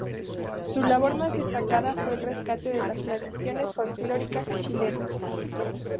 Su labor más destacada fue el rescate de tradiciones folclóricas chilenas.